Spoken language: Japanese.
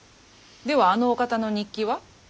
ではあのお方の日記は？